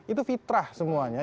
itu fitrah semuanya